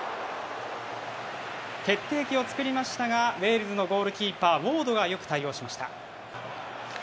決定機を作りましたがウェールズのゴールキーパーウォードがよく対応しました。